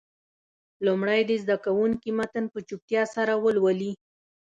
لومړی دې زده کوونکي متن په چوپتیا سره ولولي.